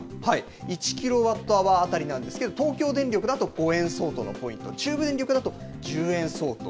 １キロワットアワー当たりなんですけれども、東京電力だと５円相当のポイント、中部電力だと１０円相当。